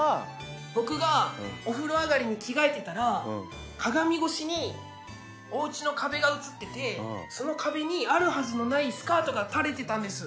僕がお風呂上がりに着替えてたら鏡越しにおうちの壁が映っててその壁にあるはずのないスカートが垂れてたんです。